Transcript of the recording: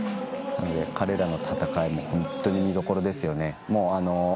彼らの戦いも本当に見どころですよね。